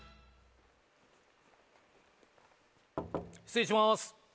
失礼します。